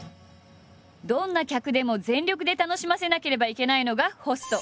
どんな客でも全力で楽しませなければいけないのがホスト。